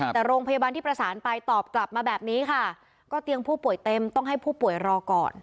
แต่โรงพยาบาลที่ประสานไปตอบกลับมาแบบนี้ค่ะก็เตียงผู้ป่วยเต็มต้องให้ผู้ป่วยรอก่อน